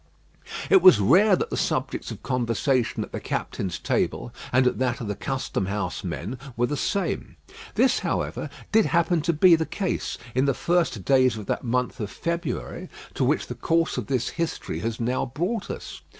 It was rare that the subjects of conversation at the captains' table and at that of the custom house men were the same. This, however, did happen to be the case in the first days of that month of February to which the course of this history has now brought us.